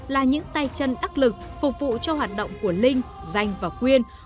là những tay chân áp lực phục vụ cho hoạt động của linh danh và quyên